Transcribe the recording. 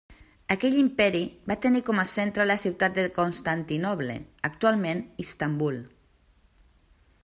Aquell imperi va tenir com a centre la ciutat de Constantinoble, actualment Istanbul.